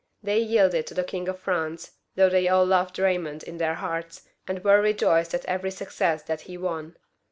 They yielded to the King of France, though they all loved Baymond in their hearts, and were rejoiced at every success that he won.